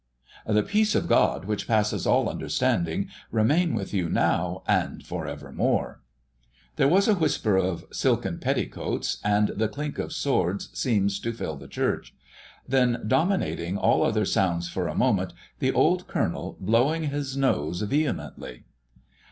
"The peace of God which passeth all understanding ... remain with you now and for evermore." There was a whisper of silken petticoats, and the clink of swords seems to fill the church: then, dominating all other sounds for a moment, the old Colonel blowing his nose vehemently....